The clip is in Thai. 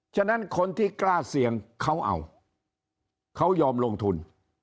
ฉะนั้นคนที่กล้าเสี่ยงเขาเอาเขายอมลงทุน